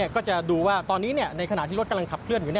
ก็จะดูว่าตอนนี้ในขณะที่รถกำลังขับเคลื่อนอยู่